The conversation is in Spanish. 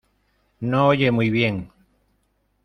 No oye muy bien.